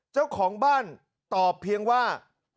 เจ้าของบ้านตอบเพียงว่า